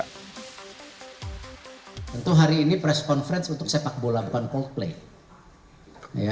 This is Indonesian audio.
tentu hari ini press conference untuk sepak bola bukan coldplay